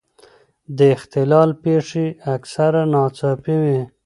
د اختلال پېښې اکثره ناڅاپي وي.